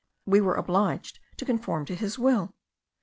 We were obliged to conform to his will.